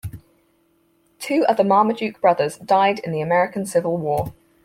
Two other Marmaduke brothers died in the American Civil War.